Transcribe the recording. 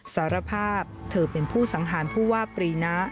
สารภาพเธอเป็นผู้สังหารผู้ว่าปรีนะ